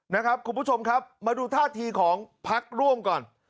นะครับคุณผู้ชมครับมาดูท่าทีของพักร่วมก่อน